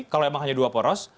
kalau memang hanya dua poros